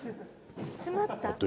「詰まった？」